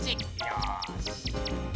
よし。